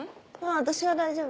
私は大丈夫。